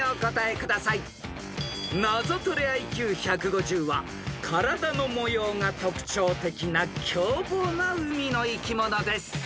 ［ナゾトレＩＱ１５０は体の模様が特徴的な凶暴な海の生き物です］